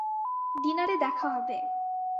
ডিনারে দেখা হবে।